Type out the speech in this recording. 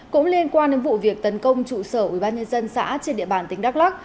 cũng liên quan đến vụ việc tấn công trụ sở ubnd xã trên địa bàn tỉnh đắk lắc